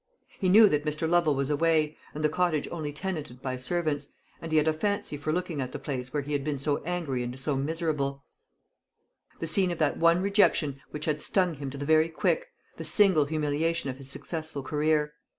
He knew that Mr. Lovel was away, and the cottage only tenanted by servants, and he had a fancy for looking at the place where he had been so angry and so miserable the scene of that one rejection which had stung him to the very quick, the single humiliation of his successful career.